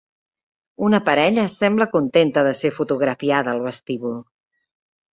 Una parella sembla contenta de ser fotografiada al vestíbul.